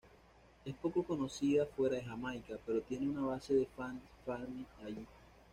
Es poco conocida fuera de Jamaica, pero tiene una base de fanes firme ahí.